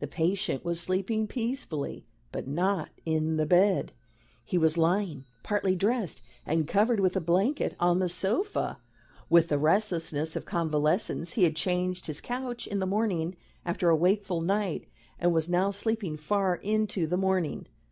The patient was sleeping peacefully. But not in the bed. He was lying, partly dressed and covered with a blanket, on the sofa. With the restlessness of convalescence he had changed his couch in the morning after a wakeful night, and was now sleeping far into the morning.